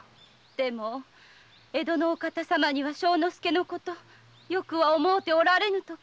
でも江戸のお方様には正之助のことよくは思うておられぬとか。